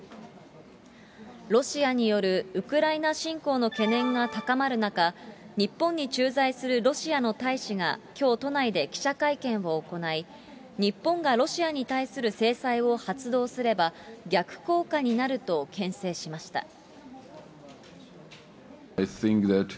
ロシアによるウクライナ侵攻の懸念が高まる中、日本に駐在するロシアの大使がきょう、都内で記者会見を行い、日本がロシアに対する制裁を発動すれば、逆効果になるとけん制しました。